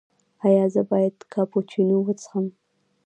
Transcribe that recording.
ایا زه باید کاپوچینو وڅښم؟